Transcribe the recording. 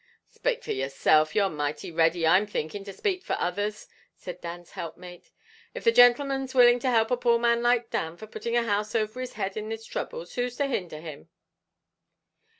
"Spake for yerself; you're mighty ready, I'm thinking, to spake for others," said Dan's helpmate; "av the gintleman's willing to help a poor man like Dan for putting a house over his head in his throubles, who's to hinder him?"